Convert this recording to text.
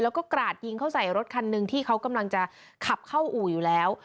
แล้วก็กราดยิงเข้าใส่รถคันหนึ่งที่เขากำลังจะขับเข้าอู่อยู่แล้ว